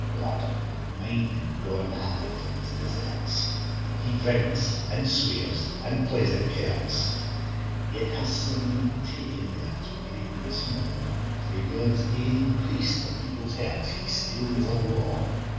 Lord, mind Gaw'n Hamilton's deserts; He drinks, an' swears, an' plays at cartes, Yet has sae mony takin arts, Wi' great and sma', Frae God's ain priest the people's hearts He steals awa.